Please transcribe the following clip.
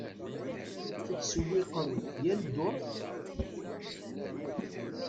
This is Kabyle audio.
Tettsewwiqeḍ yal ddurt?